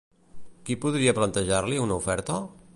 Qui podria plantejar-li una oferta?